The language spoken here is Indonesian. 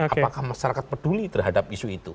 apakah masyarakat peduli terhadap isu itu